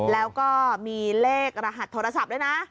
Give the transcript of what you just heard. แล้วก็มีเลขรหัสโทรศัพท์ด้วยนะ